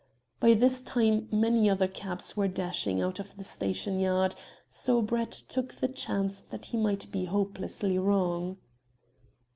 By this time many other cabs were dashing out of the station yard, so Brett took the chance that he might be hopelessly wrong.